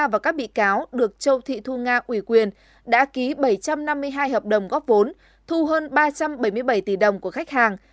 và các bị cáo được châu thị thu nga ủy quyền đã ký bảy trăm năm mươi hai hợp đồng góp vốn thu hơn ba trăm bảy mươi bảy tỷ đồng của khách hàng